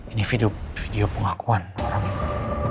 ini video pengakuan orang ini